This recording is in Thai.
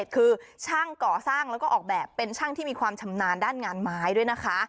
คือช่างก่อสร้างแล้วก็ออกแบบเป็นช่างที่มีความชำนาญด้านงานไม้ด้วยนะคะ